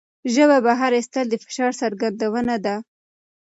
ژبه بهر ایستل د فشار څرګندونه ده.